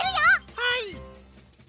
はい！